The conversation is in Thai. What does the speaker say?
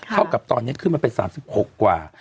เท่ากับตอนนี้ขึ้นมาเป็น๓๖กว่า